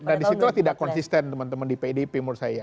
nah di situ tidak konsisten teman teman di pidp menurut saya